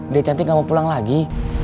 dia cantik gak mau pulang lagi